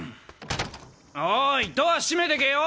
おいドア閉めてけよォ。